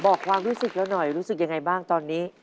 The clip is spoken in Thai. บอกความรู้สึกเราหน่อยรู้สึกยังไงบ้างตอนนี้